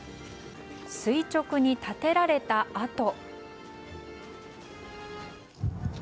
垂直に立てられたあと。